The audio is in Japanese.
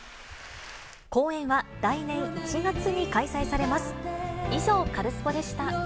公演は来年１月に開催されます。